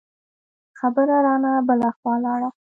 خبره رانه بله خوا لاړه.